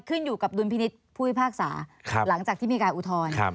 ขึ้นอยู่กับดุลพินิศภูมิภาคศาสตร์หลังจากที่มีการอุทธรณ์